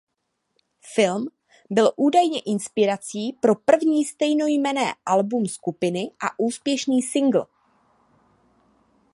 Film byl údajně inspirací pro první stejnojmenné album skupiny a úspěšný singl.